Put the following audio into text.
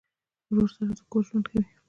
ورور سره د کور ژوند ښه وي.